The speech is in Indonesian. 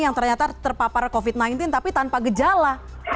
yang ternyata terpapar covid sembilan belas tapi tanpa gejala